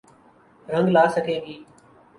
رنگ لا سکے گی۔